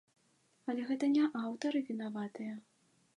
Але гэта не аўтары вінаватыя.